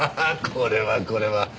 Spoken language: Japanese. これはこれは。